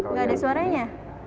tidak ada suaranya